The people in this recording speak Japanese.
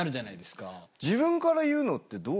自分から言うのってどう。